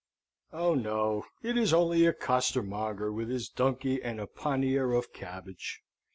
Oh no! it is only a costermonger with his donkey and a pannier of cabbage!